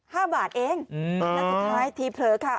ห้าบาทเองอืมแล้วสุดท้ายทีเผลอค่ะ